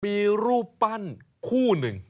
มีรูปปั้นคู่หนึ่ง